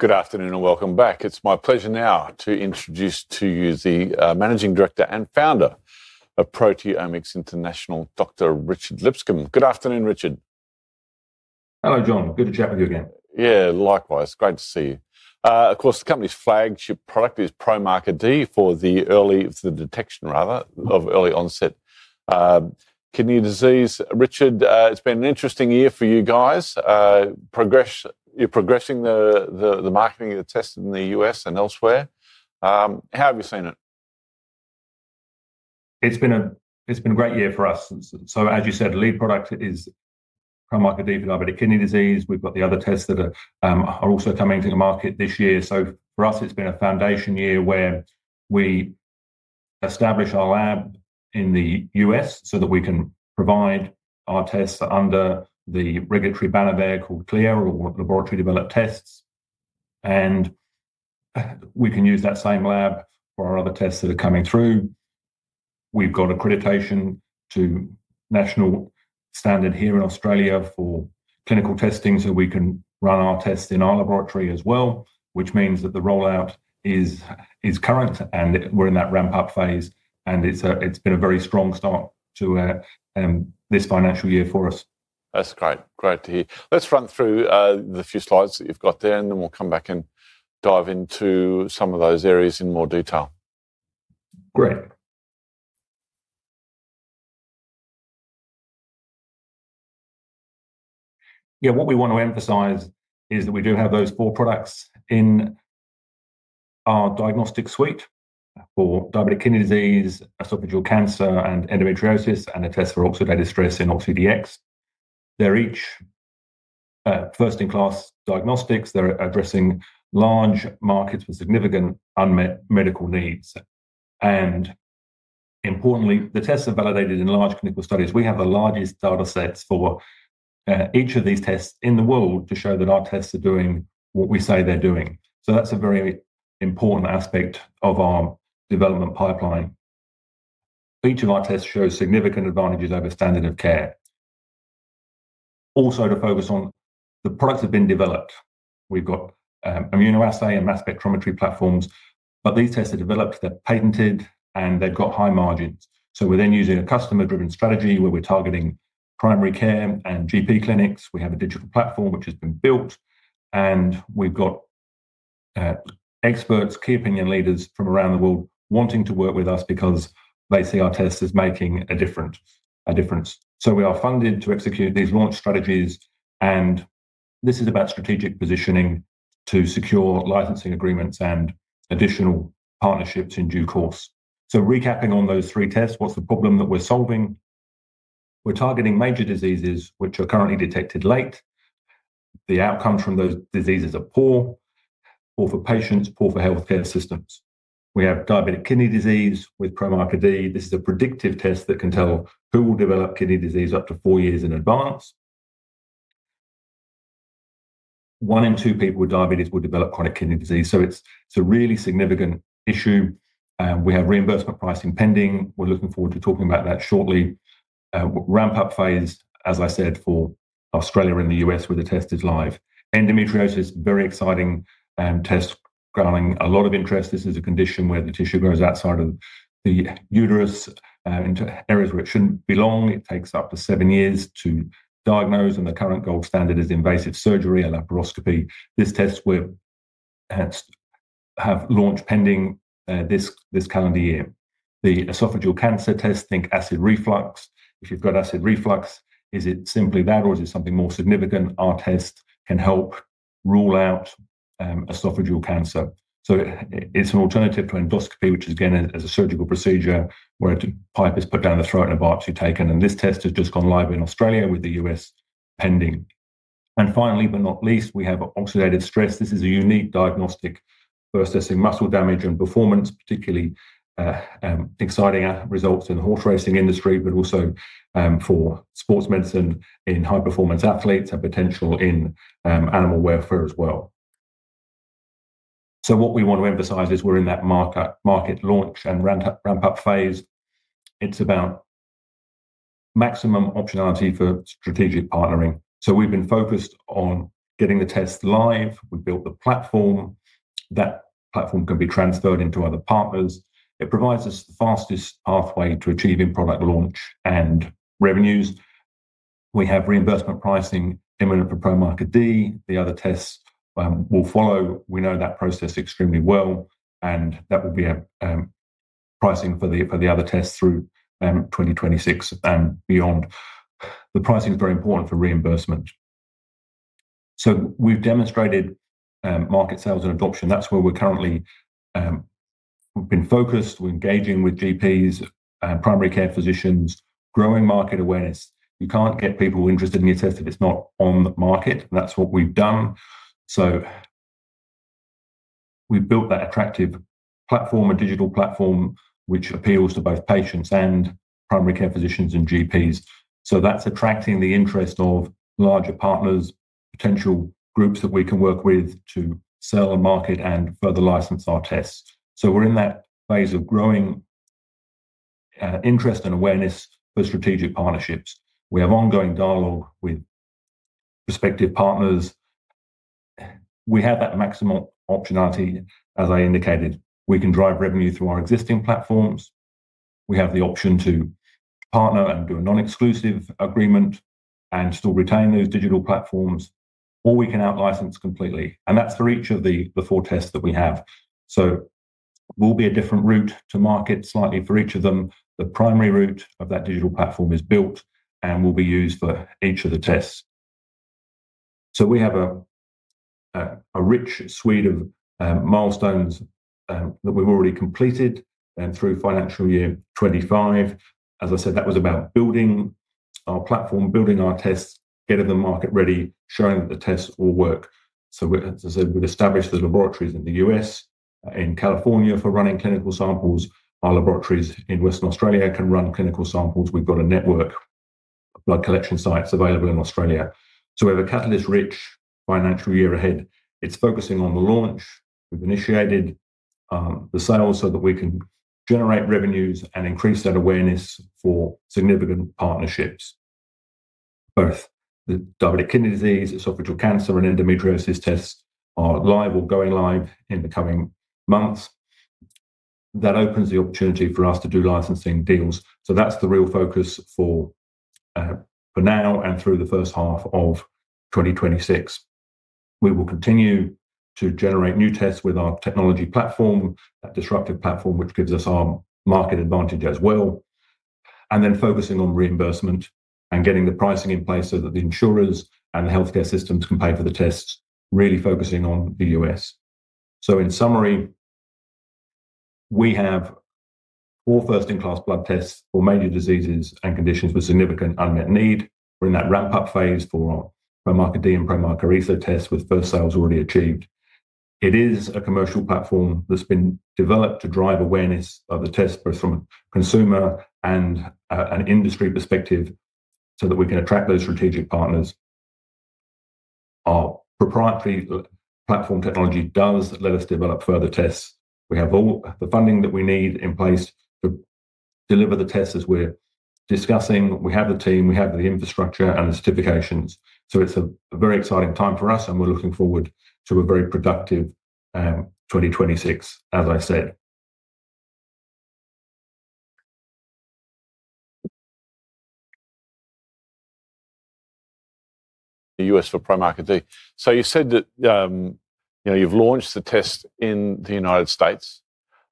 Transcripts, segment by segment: Good afternoon and welcome back. It's my pleasure now to introduce to you the Managing Director and Founder of Proteomics International, Dr. Richard Lipscombe. Good afternoon, Richard. Hello, John. Good to chat with you again. Yeah, likewise. Great to see you. Of course, the company's flagship product is PromarkerD for the detection, rather, of early onset kidney disease. Richard, it's been an interesting year for you guys. You're progressing the marketing of the tests in the U.S. and elsewhere. How have you seen it? It's been a great year for us. As you said, the lead product is PromarkerD for diabetic kidney disease. We've got the other tests that are also coming to the market this year. For us, it's been a foundation year where we established our lab in the U.S. so that we can provide our tests under the regulatory banner there called CLIA, or laboratory developed tests. We can use that same lab for our other tests that are coming through. We've got accreditation to national standard here in Australia for clinical testing, so we can run our tests in our laboratory as well, which means that the rollout is current and we're in that ramp-up phase. It's been a very strong start to this financial year for us. That's great. Great to hear. Let's run through the few slides that you've got there, and then we'll come back and dive into some of those areas in more detail. Great. Yeah, what we want to emphasize is that we do have those four products in our diagnostic suite for diabetic kidney disease, esophageal cancer, and endometriosis, and a test for oxidative stress and OxiDx. They're each first-in-class diagnostics. They're addressing large markets with significant unmet medical needs. Importantly, the tests are validated in large clinical studies. We have the largest data sets for each of these tests in the world to show that our tests are doing what we say they're doing. That's a very important aspect of our development pipeline. Each of our tests shows significant advantages over standard of care. Also, to focus on the products that have been developed, we've got immunoassay and mass spectrometry platforms, but these tests are developed, they're patented, and they've got high margins. We're then using a customer-driven strategy where we're targeting primary care and GP clinics. We have a digital platform which has been built, and we've got experts, key opinion leaders from around the world wanting to work with us because they see our tests as making a difference. We are funded to execute these launch strategies, and this is about strategic positioning to secure licensing agreements and additional partnerships in due course. Recapping on those three tests, what's the problem that we're solving? We're targeting major diseases which are currently detected late. The outcomes from those diseases are poor, poor for patients, poor for healthcare systems. We have diabetic kidney disease with PromarkerD. This is a predictive test that can tell who will develop kidney disease up to four years in advance. One in two people with diabetes will develop chronic kidney disease. It's a really significant issue. We have reimbursement pricing pending. We're looking forward to talking about that shortly. Ramp-up phase, as I said, for Australia and the U.S. where the test is live. Endometriosis, very exciting tests garnering a lot of interest. This is a condition where the tissue grows outside of the uterus into areas where it shouldn't belong. It takes up to seven years to diagnose, and the current gold standard is invasive surgery and laparoscopy. This test we have launched pending this calendar year. The esophageal cancer test, think acid reflux. If you've got acid reflux, is it simply that or is it something more significant? Our test can help rule out esophageal cancer. It is an alternative to endoscopy, which is again a surgical procedure where a pipe is put down the throat and a biopsy taken. This test has just gone live in Australia with the U.S. pending. Finally, but not least, we have oxidative stress. This is a unique diagnostic for assessing muscle damage and performance, particularly exciting results in the horse racing industry, but also for sports medicine in high-performance athletes and potential in animal welfare as well. What we want to emphasize is we're in that market launch and ramp-up phase. It's about maximum optionality for strategic partnering. We've been focused on getting the tests live. We've built the platform. That platform can be transferred into other partners. It provides us the fastest pathway to achieving product launch and revenues. We have reimbursement pricing imminent for PromarkerD. The other tests will follow. We know that process extremely well, and that will be pricing for the other tests through 2026 and beyond. The pricing is very important for reimbursement. We've demonstrated market sales and adoption. That's where we're currently being focused. We're engaging with GPs and primary care physicians, growing market awareness. You can't get people interested in your test if it's not on the market, and that's what we've done. We've built that attractive platform, a digital platform, which appeals to both patients and primary care physicians and GPs. That's attracting the interest of larger partners, potential groups that we can work with to sell and market and further license our tests. We're in that phase of growing interest and awareness for strategic partnerships. We have ongoing dialogue with prospective partners. We have that maximum optionality, as I indicated. We can drive revenue through our existing platforms. We have the option to partner and do a non-exclusive agreement and still retain those digital platforms, or we can out-license completely. That's for each of the four tests that we have. We will be a different route to market slightly for each of them. The primary route of that digital platform is built and will be used for each of the tests. We have a rich suite of milestones that we have already completed through financial year 2025. As I said, that was about building our platform, building our tests, getting them market ready, showing that the tests will work. We have established the laboratories in the U.S., in California for running clinical samples. Our laboratories in Western Australia can run clinical samples. We have a network of blood collection sites available in Australia. We have a catalyst-rich financial year ahead. It is focusing on the launch. We have initiated the sales so that we can generate revenues and increase that awareness for significant partnerships. Both the diabetic kidney disease, esophageal cancer, and endometriosis tests are live or going live in the coming months. That opens the opportunity for us to do licensing deals. That is the real focus for now and through the first half of 2026. We will continue to generate new tests with our technology platform, that disruptive platform which gives us our market advantage as well. Then focusing on reimbursement and getting the pricing in place so that the insurers and the healthcare systems can pay for the tests, really focusing on the U.S. In summary, we have four first-in-class blood tests for major diseases and conditions with significant unmet need. We are in that ramp-up phase for PromarkerD and ProMarkerEso tests with first sales already achieved. It is a commercial platform that's been developed to drive awareness of the tests both from a consumer and an industry perspective so that we can attract those strategic partners. Our proprietary platform technology does let us develop further tests. We have all the funding that we need in place to deliver the tests as we're discussing. We have the team, we have the infrastructure, and the certifications. It is a very exciting time for us, and we're looking forward to a very productive 2026, as I said. The U.S. for PromarkerD. You said that you've launched the test in the United States,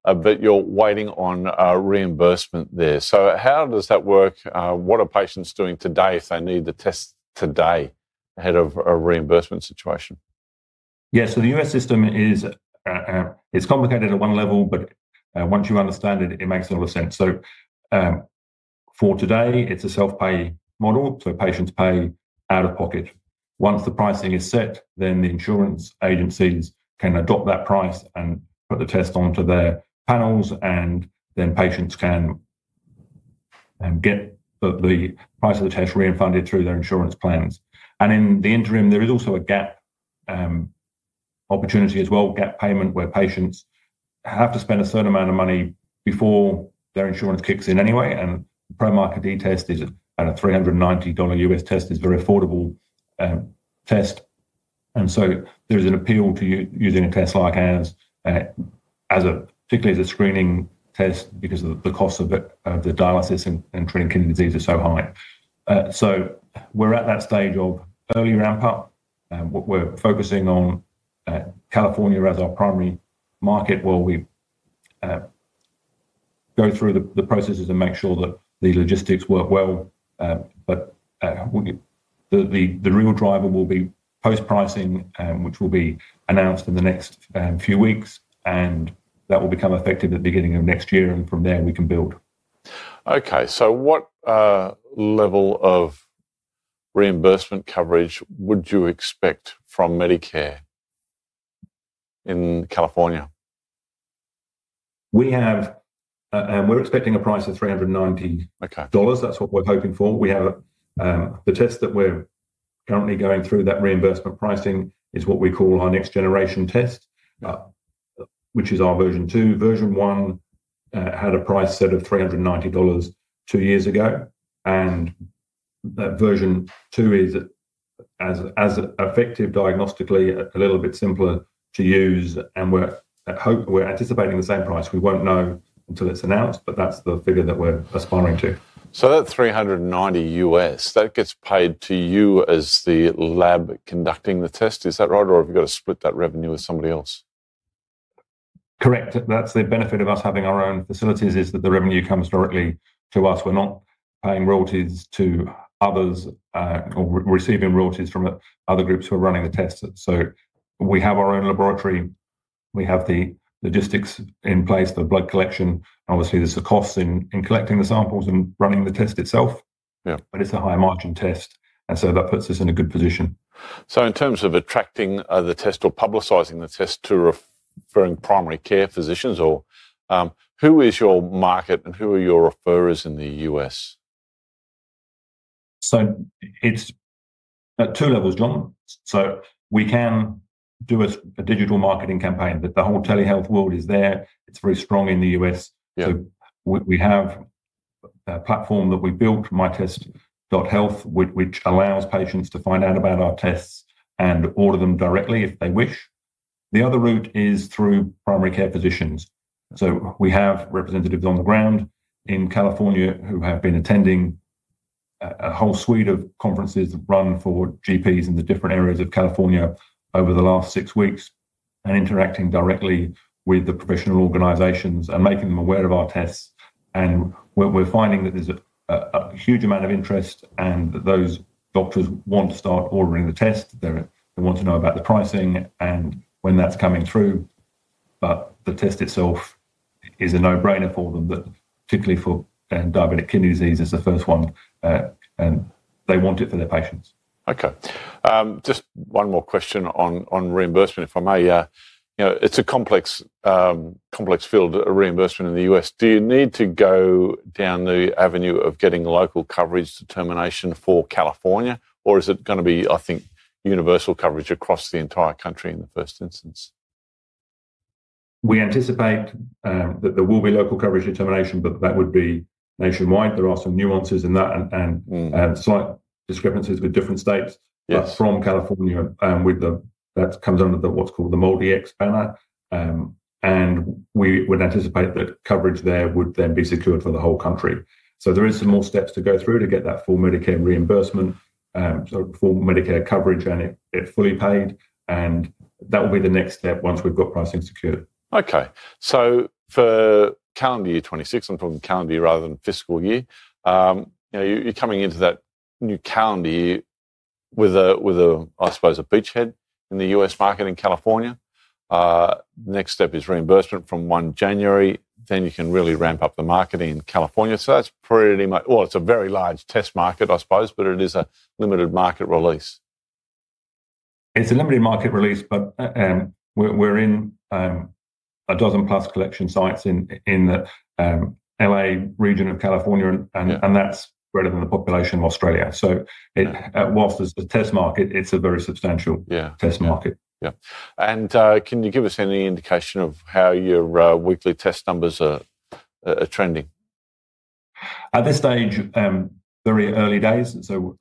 but you're waiting on reimbursement there. How does that work? What are patients doing today if they need the test today ahead of a reimbursement situation? Yeah, the U.S. system is complicated at one level, but once you understand it, it makes a lot of sense. For today, it's a self-pay model, so patients pay out of pocket. Once the pricing is set, the insurance agencies can adopt that price and put the test onto their panels, and then patients can get the price of the test refunded through their insurance plans. In the interim, there is also a gap opportunity as well, gap payment, where patients have to spend a certain amount of money before their insurance kicks in anyway. The PromarkerD test is at a $390 U.S. test, which is a very affordable test. There is an appeal to using a test like ours, particularly as a screening test because the cost of dialysis and treating kidney disease is so high. We're at that stage of early ramp-up. We're focusing on California as our primary market where we go through the processes and make sure that the logistics work well. The real driver will be post-pricing, which will be announced in the next few weeks, and that will become effective at the beginning of next year, and from there we can build. Okay, so what level of reimbursement coverage would you expect from Medicare in California? We're expecting a price of $390. That's what we're hoping for. The test that we're currently going through, that reimbursement pricing, is what we call our next generation test, which is our version two. Version one had a price set of $390 two years ago, and version two is, as effective diagnostically, a little bit simpler to use. We're anticipating the same price. We won't know until it's announced, but that's the figure that we're aspiring to. That $390 U.S., that gets paid to you as the lab conducting the test. Is that right, or have you got to split that revenue with somebody else? Correct. That's the benefit of us having our own facilities, is that the revenue comes directly to us. We're not paying royalties to others or receiving royalties from other groups who are running the tests. We have our own laboratory. We have the logistics in place, the blood collection. Obviously, there's the costs in collecting the samples and running the test itself, but it's a high-margin test, and that puts us in a good position. In terms of attracting the test or publicizing the test to referring primary care physicians, who is your market and who are your referrers in the U.S.? It is at two levels, John. We can do a digital marketing campaign, but the whole telehealth world is there. It is very strong in the U.S.. We have a platform that we built, myTEST.health, which allows patients to find out about our tests and order them directly if they wish. The other route is through primary care physicians. We have representatives on the ground in California who have been attending a whole suite of conferences run for GPs in the different areas of California over the last six weeks and interacting directly with the professional organizations and making them aware of our tests. We are finding that there is a huge amount of interest and that those doctors want to start ordering the test. They want to know about the pricing and when that is coming through. The test itself is a no-brainer for them, particularly for diabetic kidney disease. It's the first one, and they want it for their patients. Okay. Just one more question on reimbursement, if I may. It's a complex field, reimbursement in the U.S. Do you need to go down the avenue of getting local coverage determination for California, or is it going to be, I think, universal coverage across the entire country in the first instance? We anticipate that there will be local coverage determination, but that would be nationwide. There are some nuances in that and slight discrepancies with different states from California, and that comes under what's called the MolDX banner. We would anticipate that coverage there would then be secured for the whole country. There are some more steps to go through to get that full Medicare reimbursement, so full Medicare coverage, and it's fully paid. That will be the next step once we've got pricing secured. Okay. For calendar year 2026, I'm talking calendar year rather than fiscal year, you're coming into that new calendar year with, I suppose, a beachhead in the U.S. market in California. The next step is reimbursement from January 1. You can really ramp up the market in California. That is pretty much, well, it's a very large test market, I suppose, but it is a limited market release. It's a limited market release, but we're in a dozen plus collection sites in the LA region of California, and that's greater than the population of Australia. So whilst it's a test market, it's a very substantial test market. Yeah. Can you give us any indication of how your weekly test numbers are trending? At this stage, very early days, so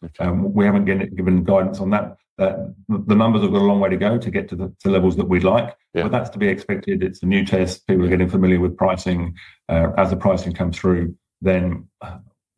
we haven't given guidance on that. The numbers have got a long way to go to get to the levels that we'd like, but that's to be expected. It's a new test. People are getting familiar with pricing. As the pricing comes through,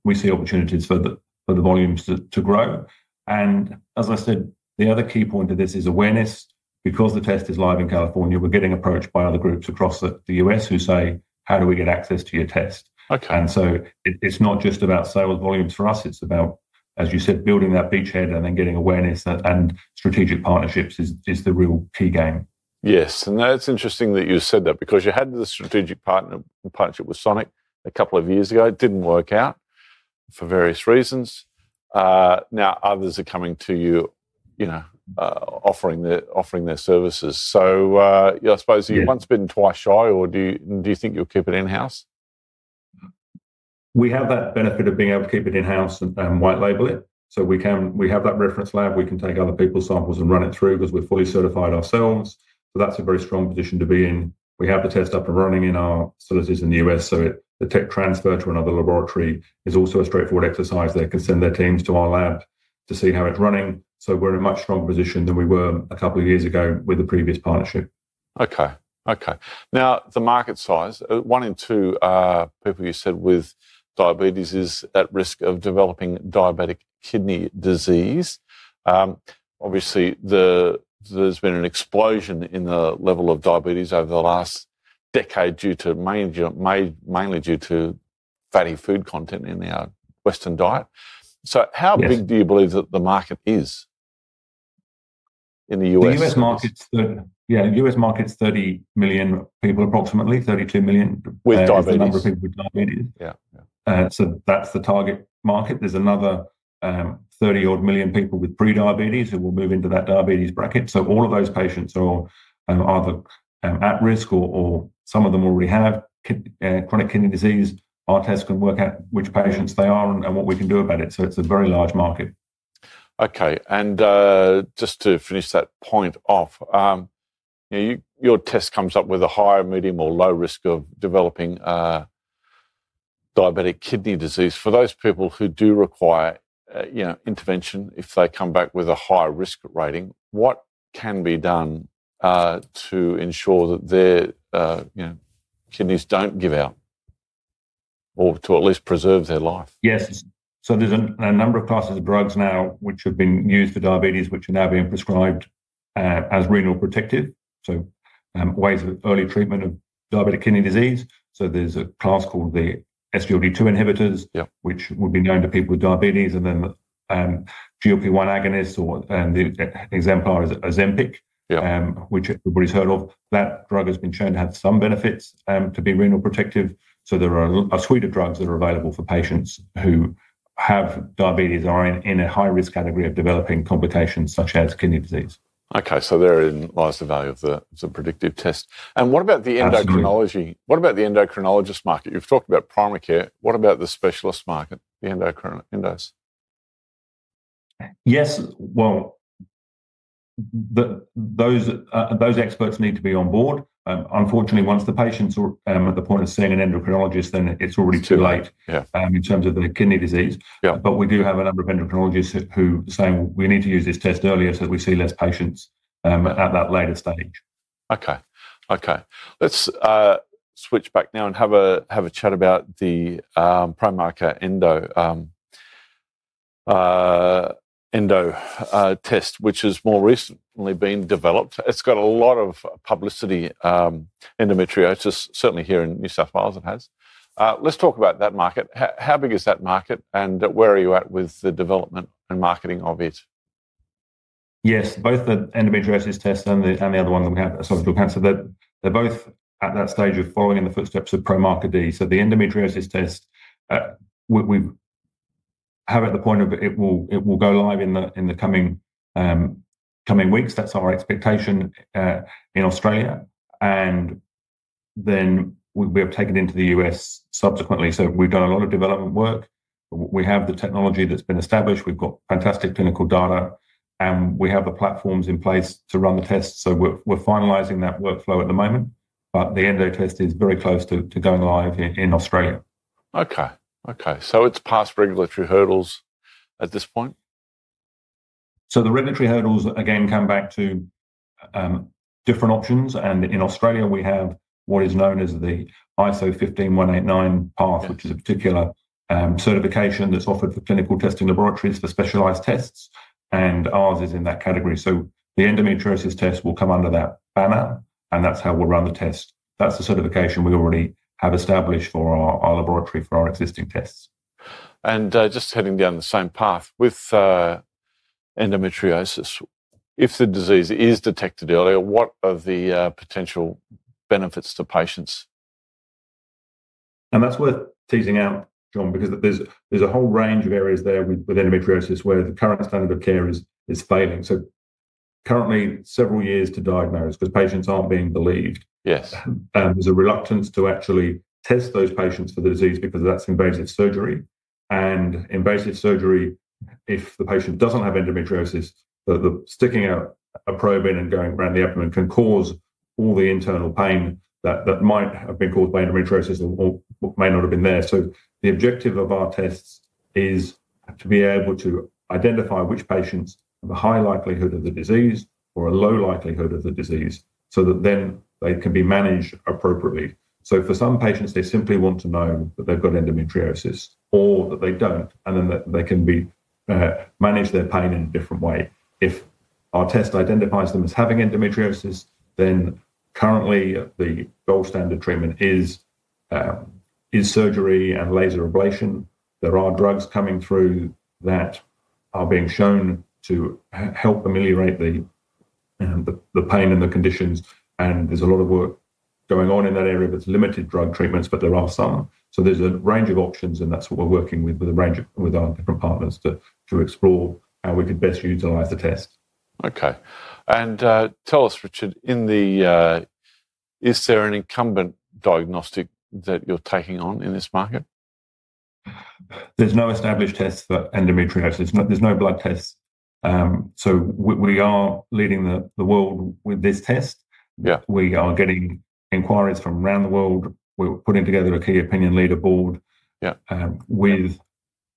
we see opportunities for the volumes to grow. As I said, the other key point of this is awareness. Because the test is live in California, we're getting approached by other groups across the U.S. who say, "How do we get access to your test?" It is not just about sales volumes for us. It's about, as you said, building that beachhead and then getting awareness and strategic partnerships is the real key game. Yes. That is interesting that you said that because you had the strategic partnership with Sonic a couple of years ago. It did not work out for various reasons. Now others are coming to you offering their services. I suppose you have once been twice shy, or do you think you will keep it in-house? We have that benefit of being able to keep it in-house and white label it. We have that reference lab. We can take other people's samples and run it through because we're fully certified ourselves. That is a very strong position to be in. We have the test up and running in our facilities in the U.S., so the tech transfer to another laboratory is also a straightforward exercise. They can send their teams to our lab to see how it's running. We are in a much stronger position than we were a couple of years ago with the previous partnership. Okay. Okay. Now the market size, one in two people, you said, with diabetes is at risk of developing diabetic kidney disease. Obviously, there's been an explosion in the level of diabetes over the last decade mainly due to fatty food content in our Western diet. How big do you believe that the market is in the U.S.? The U.S. market's 30 million people approximately, 32 million with a number of people with diabetes. That is the target market. There is another 30-odd million people with prediabetes who will move into that diabetes bracket. All of those patients are either at risk or some of them already have chronic kidney disease. Our test can work out which patients they are and what we can do about it. It is a very large market. Okay. Just to finish that point off, your test comes up with a higher, medium, or low risk of developing diabetic kidney disease. For those people who do require intervention, if they come back with a higher risk rating, what can be done to ensure that their kidneys don't give out or to at least preserve their life? Yes. There is a number of classes of drugs now which have been used for diabetes, which are now being prescribed as renal protective. Ways of early treatment of diabetic kidney disease. There is a class called the SGLT2 inhibitors, which would be known to people with diabetes, and then GLP-1 agonists, and the exemplar is Ozempic, which everybody's heard of. That drug has been shown to have some benefits to be renal protective. There are a suite of drugs that are available for patients who have diabetes and are in a high-risk category of developing complications such as kidney disease. Okay. They're in the value of the predictive test. What about the endocrinology? What about the endocrinologist market? You've talked about primary care. What about the specialist market, the endocrinologists? Yes. Those experts need to be on board. Unfortunately, once the patients are at the point of seeing an endocrinologist, then it's already too late in terms of the kidney disease. We do have a number of endocrinologists who say, "We need to use this test earlier so that we see less patients at that later stage. Okay. Okay. Let's switch back now and have a chat about the ProMarkerEndo test, which has more recently been developed. It's got a lot of publicity. Endometriosis, certainly here in New South Wales, it has. Let's talk about that market. How big is that market, and where are you at with the development and marketing of it? Yes. Both the endometriosis test and the other one that we have, esophageal cancer, they're both at that stage of following in the footsteps of PromarkerD. The endometriosis test, we have it at the point of it will go live in the coming weeks. That's our expectation in Australia. We have taken it into the U.S. subsequently. We have done a lot of development work. We have the technology that's been established. We've got fantastic clinical data, and we have the platforms in place to run the tests. We're finalising that workflow at the moment, but the Endo test is very close to going live in Australia. Okay. Okay. So it's past regulatory hurdles at this point? The regulatory hurdles, again, come back to different options. In Australia, we have what is known as the ISO 15189 path, which is a particular certification that's offered for clinical testing laboratories for specialized tests, and ours is in that category. The endometriosis test will come under that banner, and that's how we'll run the test. That's the certification we already have established for our laboratory for our existing tests. Just heading down the same path with endometriosis, if the disease is detected earlier, what are the potential benefits to patients? That's worth teasing out, John, because there's a whole range of areas there with endometriosis where the current standard of care is failing. Currently, several years to diagnose because patients aren't being believed. There's a reluctance to actually test those patients for the disease because that's invasive surgery. Invasive surgery, if the patient doesn't have endometriosis, sticking out a probe in and going around the abdomen can cause all the internal pain that might have been caused by endometriosis or may not have been there. The objective of our tests is to be able to identify which patients have a high likelihood of the disease or a low likelihood of the disease so that then they can be managed appropriately. For some patients, they simply want to know that they've got endometriosis or that they don't, and then they can manage their pain in a different way. If our test identifies them as having endometriosis, then currently the gold standard treatment is surgery and laser ablation. There are drugs coming through that are being shown to help ameliorate the pain and the conditions. There's a lot of work going on in that area that's limited drug treatments, but there are some. There's a range of options, and that's what we're working with, with our different partners to explore how we could best utilise the test. Okay. Tell us, Richard, is there an incumbent diagnostic that you're taking on in this market? There's no established test for endometriosis. There's no blood tests. We are leading the world with this test. We are getting inquiries from around the world. We are putting together a key opinion leader board with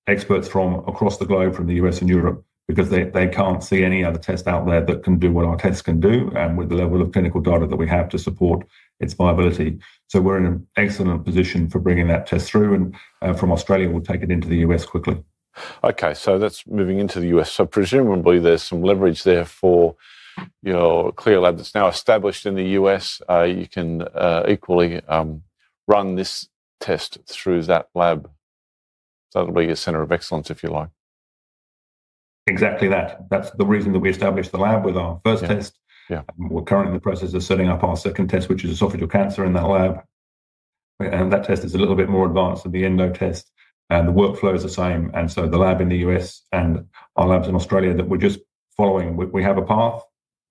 experts from across the globe, from the U.S. and Europe, because they can't see any other test out there that can do what our tests can do and with the level of clinical data that we have to support its viability. We are in an excellent position for bringing that test through. From Australia, we'll take it into the U.S. quickly. Okay. That's moving into the U.S. Presumably there's some leverage there for your CLIA lab that's now established in the U.S. You can equally run this test through that lab, that'll be a center of excellence if you like. Exactly that. That's the reason that we established the lab with our first test. We're currently in the process of setting up our second test, which is esophageal cancer in that lab. That test is a little bit more advanced than the endo test. The workflow is the same. The lab in the U.S. and our labs in Australia are just following, we have a path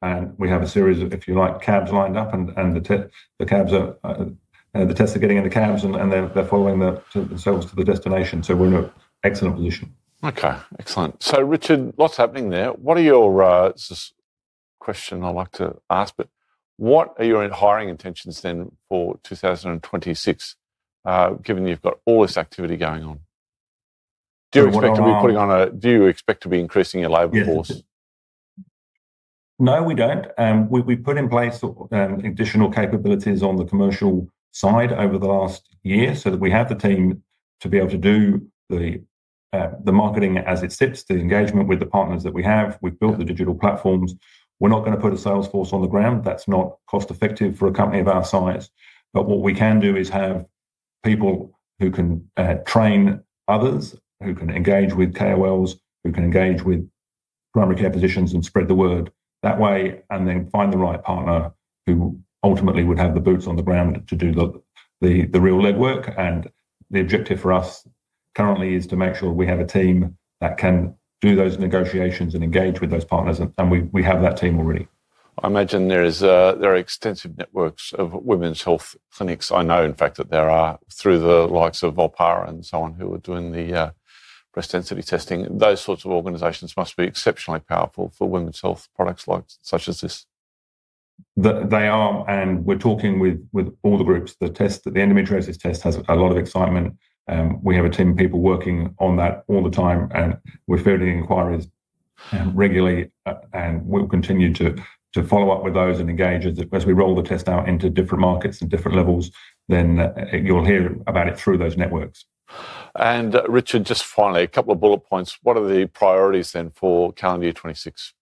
and we have a series of, if you like, cabs lined up and the tests are getting in the cabs and they're following themselves to the destination. We are in an excellent position. Okay. Excellent. Richard, lots happening there. What are your questions I'd like to ask, but what are your hiring intentions then for 2026, given you've got all this activity going on? Do you expect to be putting on a, do you expect to be increasing your labor force? No, we do not. We put in place additional capabilities on the commercial side over the last year so that we have the team to be able to do the marketing as it sits, the engagement with the partners that we have. We have built the digital platforms. We are not going to put a sales force on the ground. That is not cost-effective for a company of our size. What we can do is have people who can train others, who can engage with KOLs, who can engage with primary care physicians and spread the word that way, and then find the right partner who ultimately would have the boots on the ground to do the real legwork. The objective for us currently is to make sure we have a team that can do those negotiations and engage with those partners. We have that team already. I imagine there are extensive networks of women's health clinics. I know, in fact, that there are through the likes of Volpara and so on who are doing the breast density testing. Those sorts of organizations must be exceptionally powerful for women's health products such as this. They are. We are talking with all the groups. The endometriosis test has a lot of excitement. We have a team of people working on that all the time. We are fielding inquiries regularly. We will continue to follow up with those and engage as we roll the test out into different markets and different levels. You will hear about it through those networks. Richard, just finally, a couple of bullet points. What are the priorities then for calendar year 2026?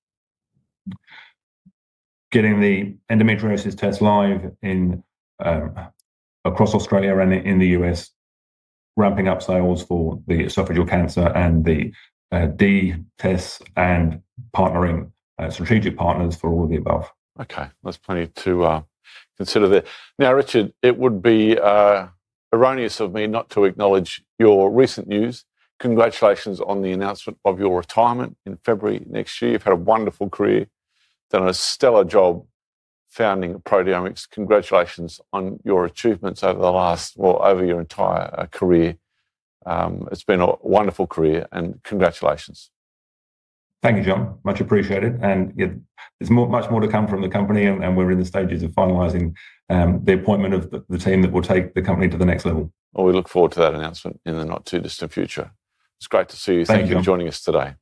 Getting the endometriosis test live across Australia and in the U.S., ramping up sales for the esophageal cancer and the D tests and partnering strategic partners for all of the above. Okay. That's plenty to consider there. Now, Richard, it would be erroneous of me not to acknowledge your recent news. Congratulations on the announcement of your retirement in February next year. You've had a wonderful career, done a stellar job founding Proteomics International. Congratulations on your achievements over the last, well, over your entire career. It's been a wonderful career, and congratulations. Thank you, John. Much appreciated. There is much more to come from the company, and we are in the stages of finalizing the appointment of the team that will take the company to the next level. We look forward to that announcement in the not too distant future. It's great to see you. Thank you for joining us today. Thank you.